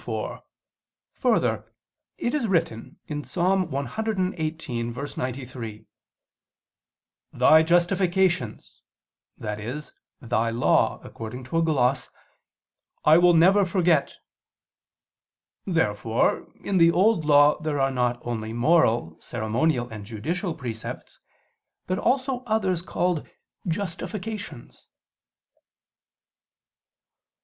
4: Further, it is written (Ps. 118:93): "Thy justifications (i.e. "Thy Law," according to a gloss) I will never forget." Therefore in the Old Law there are not only moral, ceremonial and judicial precepts, but also others, called "justifications."